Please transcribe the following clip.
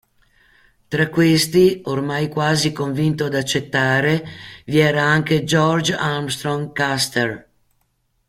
Tra questi, ormai quasi convinto ad accettare, vi era anche George Armstrong Custer.